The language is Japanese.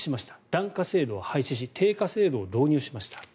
檀家制度を廃止し定価制度を導入しました。